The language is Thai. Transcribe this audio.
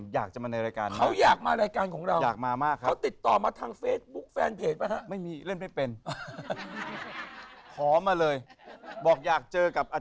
สวัสดีครับผมสวัสดีครับ